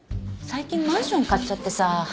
最近マンション買っちゃってさ。